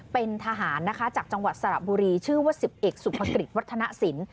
เป็นทหารจากจังหวัดสระบุรีชื่อว่า๑๑สุพกฤติวัฒนสิน